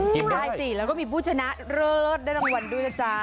กินได้สิแล้วก็มีผู้ชนะเลิศได้รางวัลด้วยนะจ๊ะ